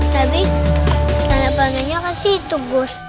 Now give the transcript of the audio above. tapi tanah panahnya kan situ gus